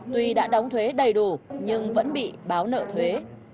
tuy đã đóng thuế đầy đủ nhưng vẫn bị báo nợ thuế